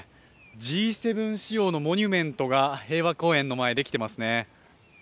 Ｇ７仕様のモニュメントが平和公園の前、できてますね。